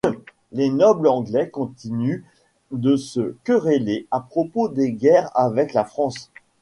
Les nobles anglais continuent de se quereller à propos des guerres avec la France.